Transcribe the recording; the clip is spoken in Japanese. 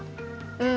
うん。